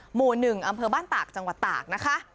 หมู่๑อำเภอบ้านตากจังหวัดตากนะคะ